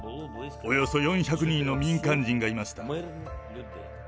およそ４００人の民間人がいました。